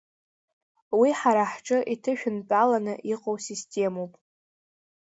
Уи ҳара ҳҿы иҭышәынтәаланы иҟоу системоуп.